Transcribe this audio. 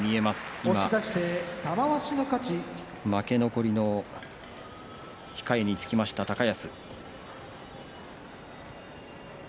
今、負け残りの控えにつきました高安。